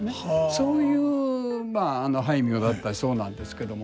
そういう俳名だったそうなんですけども。